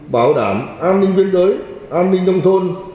bảo đảm an ninh viên giới an ninh dân thôn